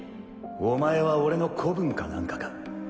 お前は俺の子分か何かか？